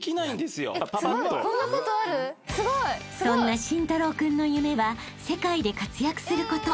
［そんな新太郎君の夢は世界で活躍すること］